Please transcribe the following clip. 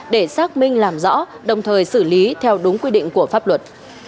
để xác minh làm rõ đồng thời xử lý theo đúng quy định của pháp luật